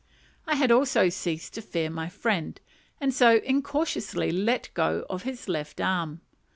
I had also ceased to fear my friend, and so incautiously let go his left arm.